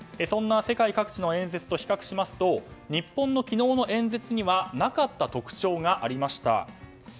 そんな世界各地の演説と比較しますと日本の昨日の演説にはなかった特徴がありました。